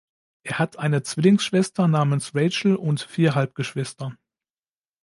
Er hat eine Zwillingsschwester namens Rachel und vier Halbgeschwister.